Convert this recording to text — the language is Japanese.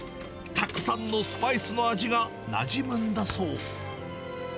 たくさんのスパイスの味がなじむんだそう。